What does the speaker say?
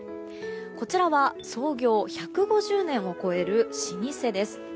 こちらは創業１５０年を超える老舗です。